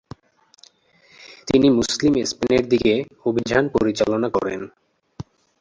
তিনি মুসলিম স্পেনের দিকে অভিযান পরিচালনা করেন।